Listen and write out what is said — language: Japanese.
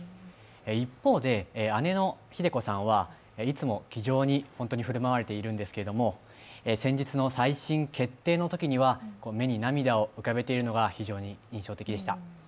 一方で、姉のひで子さんはいつも気丈に本当に振る舞われているんですけれども、先日の再審決定のときには目に涙を浮かべているのが非常に印象的でした。